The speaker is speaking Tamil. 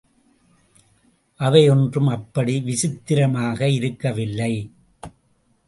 அவை ஒன்றும் அப்படி விசித்திரமாக இருக்க வில்லை.